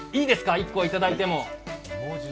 １個いただいても。